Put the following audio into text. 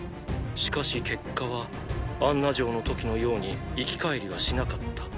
しかし結果はアンナ嬢の時のように生き返りはしなかった。